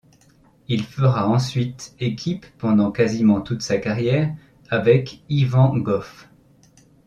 Il fera ensuite équipe pendant quasiment toute sa carrière avec Ivan Goff.